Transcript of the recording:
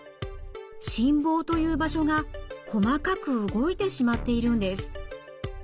心房という場所が細かく動いてしまっているんです。